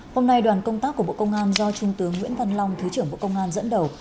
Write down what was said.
hôm nay đoàn công tác của bộ công an do trung tướng nguyễn văn long thứ trưởng bộ công an dẫn đầu